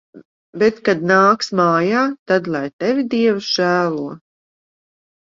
Bet kad nāks mājā, tad lai tevi Dievs žēlo.